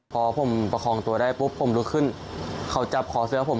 พอผมประคองตัวได้ปุ๊บผมลุกขึ้นเขาจับคอเสื้อผม